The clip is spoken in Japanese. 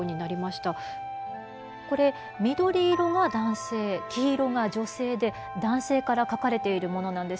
これ緑色が男性黄色が女性で男性から書かれているものなんです。